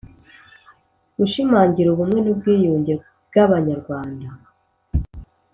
gushimangira ubumwe n'ubwiyunge bw'abanyarwanda.